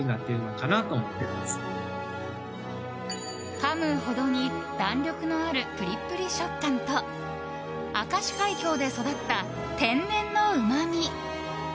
かむほどに弾力のあるプリプリ食感と明石海峡で育った天然のうまみ。